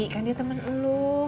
kan dia temen lo